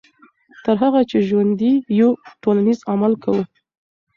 تر هغه چې ژوندي یو ټولنیز عمل کوو.